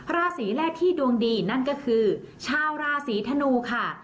ราศีแรกที่ดวงดีนั่นก็คือชาวราศีธนูค่ะ